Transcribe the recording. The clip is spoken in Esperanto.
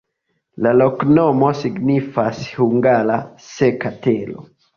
La loknomo signifas hungare: seka-tero.